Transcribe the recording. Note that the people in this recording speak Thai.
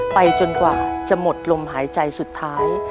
จนกว่าจะหมดลมหายใจสุดท้าย